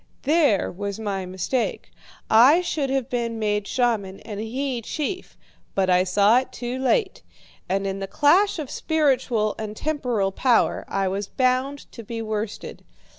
There was my mistake. I should have been made shaman, and he chief; but I saw it too late, and in the clash of spiritual and temporal power I was bound to be worsted.